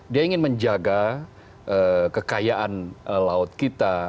dia ingin menjaga kekayaan laut kita